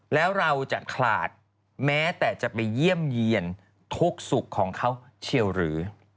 แล้วเราจะขลาดแม้แต่จะไปเยี่ยมเยี่ยนทุกสุขของเขาเชียวหรือ